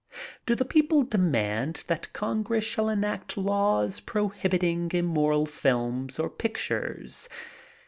Do people demand that G>ngress shall enact laws prohibiting immoral films or pictures?